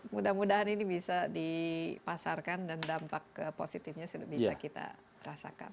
mudah mudahan ini bisa dipasarkan dan dampak positifnya sudah bisa kita rasakan